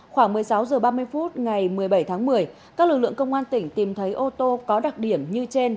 khoảng một mươi sáu h ba mươi phút ngày một mươi bảy tháng một mươi các lực lượng công an tỉnh tìm thấy ô tô có đặc điểm như trên